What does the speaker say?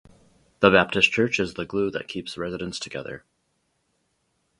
The Baptist Church is the glue that keeps residents together.